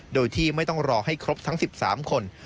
โดยที่ไม่ต้องรอให้ครบทั้ง๑๓คน